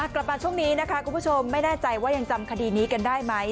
กลับมาช่วงนี้นะคะคุณผู้ชมไม่แน่ใจว่ายังจำคดีนี้กันได้ไหม